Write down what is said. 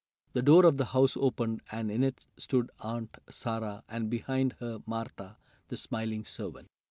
The door of the house opened, and in it stood Aunt Sarah, and behind her Martha, the smiling servant.